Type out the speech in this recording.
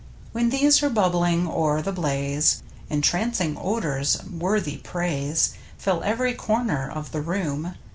When these are bubbling o'er the blaze Entrancing odors, worthy praise, Fill ev'ry corner of the room.